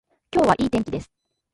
今日はいい天気です